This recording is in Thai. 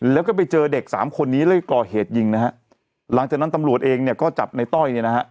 แล้วก็ไปเจอเด็กสามคนนี้เลยก่อเหตุยิงนะฮะหลังจากนั้นตำรวจเองเนี่ยก็จับในต้อยเนี่ยนะฮะ